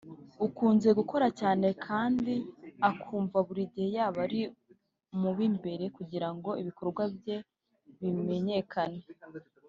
ukunze gukora cyane kandi akumva buri gihe yaba ari mu b’imbere kugira ngo ibikorwa bye bimenyekane